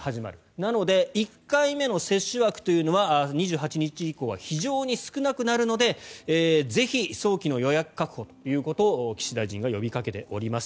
なので１回目の接種枠というのは２８日以降は非常に少なくなるのでぜひ早期の予約確保を岸大臣が呼びかけています。